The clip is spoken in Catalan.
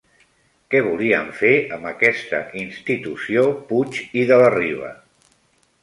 Què volien fer amb aquesta institució Puig i de la Riba?